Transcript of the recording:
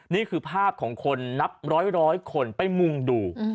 นี่คือภาพของคนนับร้อยคนไปมุ่งดู